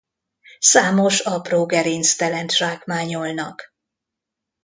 Számos apró gerinctelent zsákmányolnak.